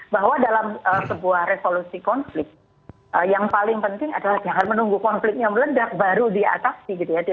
bahwa dalam sebuah resolusi konflik yang paling penting adalah jangan menunggu konfliknya meledak baru diatasi gitu ya